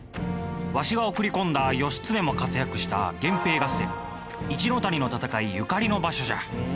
わしが送り込んだ義経も活躍した源平合戦一ノ谷の戦いゆかりの場所じゃ。